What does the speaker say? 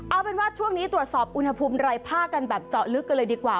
เอาเป็นว่าช่วงนี้ตรวจสอบอุณหภูมิรายภาคกันแบบเจาะลึกกันเลยดีกว่า